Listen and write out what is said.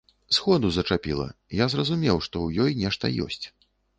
Сходу зачапіла, я зразумеў, што ў ёй нешта ёсць.